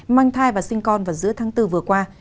mang thai và sinh con vào giữa tháng bốn vừa qua